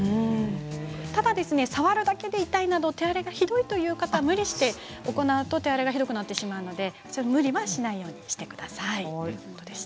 ただ触るだけで痛いなど手荒れがひどい方は無理して行うと手荒れがひどくなってしまうので無理して行わないようにしてください。